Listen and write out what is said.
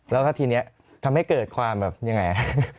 แล้วก็ทีนี้ทำให้เกิดความแบบยังไง